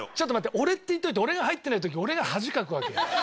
俺って言っといて俺が入ってない時俺が恥かくわけよ。